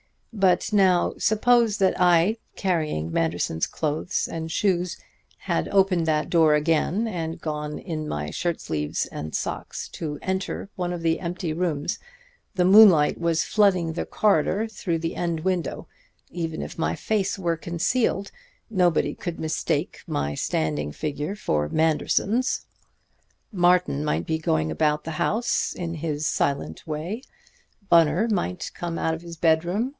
But now suppose that I, carrying Manderson's clothes and shoes, had opened that door again and gone in my shirt sleeves and socks to enter one of the empty rooms. The moonlight was flooding the corridor through the end window. Even if my face were concealed, nobody could mistake my standing figure for Manderson's. Martin might be going about the house in his silent way. Bunner might come out of his bedroom.